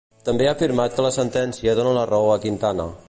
També ha afirmat que la sentència dona la raó a Quintana.